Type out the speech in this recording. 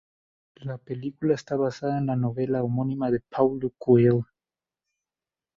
La película está basada en la novela homónima de Paulo Coelho.